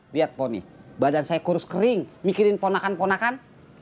lihat poni badan saya kurus kering mikirin ponakan ponakan